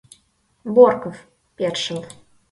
— Борков... першыл...